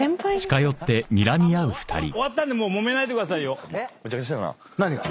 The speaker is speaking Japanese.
終わったんでもうもめないでくださいよ。